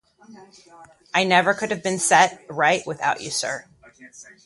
I never could have been set right without you, sir.